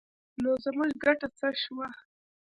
نو زموږ ګټه څه شوه؟